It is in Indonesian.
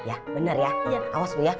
awas dulu ya